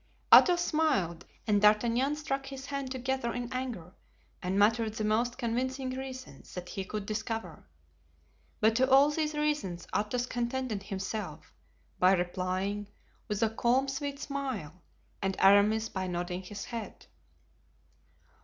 Athos smiled and D'Artagnan struck his hands together in anger and muttered the most convincing reasons that he could discover; but to all these reasons Athos contented himself by replying with a calm, sweet smile and Aramis by nodding his head.